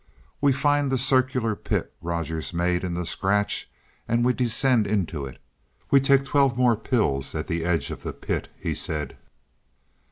"We find the circular pit Rogers made in the scratch and we descend into it. We take twelve more pills at the edge of the pit," he said.